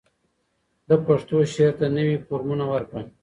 ده پښتو شعر ته نوي فورمونه ورکړل